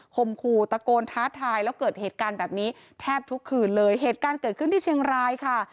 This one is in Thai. มขู่ตะโกนท้าทายแล้วเกิดเหตุการณ์แบบนี้แทบทุกคืนเลยเหตุการณ์เกิดขึ้นที่เชียงรายค่ะ